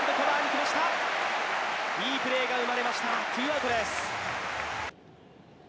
いいプレーが生まれました、ツーアウトです。